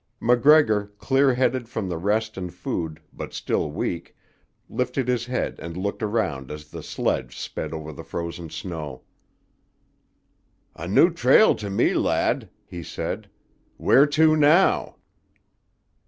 MacGregor, clear headed from the rest and food, but still weak, lifted his head and looked around as the sledge sped over the frozen snow. "A new trail to me, lad," he said. "Where to, now?"